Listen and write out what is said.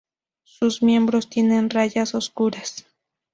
Sus miembros tienen rayas oscuras.